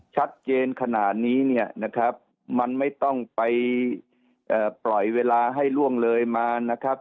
ชัดเจนขนาดนี้เนี่ยนะครับมันไม่ต้องไปปล่อยเวลาให้ล่วงเลยมานะครับ